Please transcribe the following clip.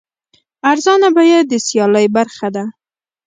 ارزانه بیه د سیالۍ برخه ده.